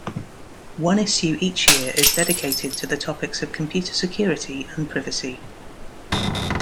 One issue each year is dedicated to the topics of computer security and privacy.